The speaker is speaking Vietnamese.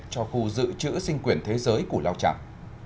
cho khu dự trữ sinh quyền thế giới của lào trạng